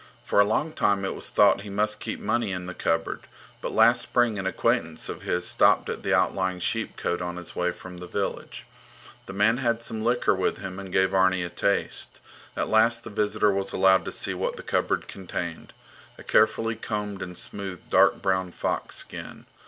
For a long time it was thought that he must keep money in the cupboard, but last spring an acquaintance of his stopped at the outlying sheepcote on his way from the village. The man had some liquor with him and gave Arni a taste. At last the visitor was allowed to see what the cupboard contained a carefully combed and smoothed dark brown fox skin.